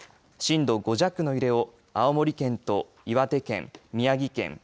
震度５弱の揺れを青森県と岩手県宮城県